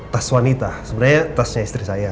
tas wanita sebenarnya tasnya istri saya